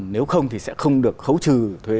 nếu không thì sẽ không được khấu trừ